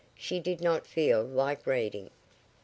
She did not feel like reading.